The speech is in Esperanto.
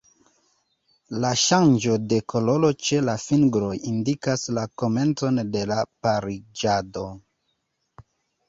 La ŝanĝo de koloro ĉe la fingroj indikas la komencon de la pariĝado.